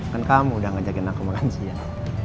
kan kamu udah ngajakin aku makan siang